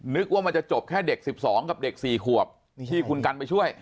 ว่ามันจะจบแค่เด็ก๑๒กับเด็ก๔ขวบที่คุณกันไปช่วย